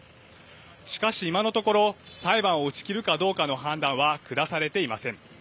しかし、今のところ裁判を打ち切るかどうかの判断は下されていません。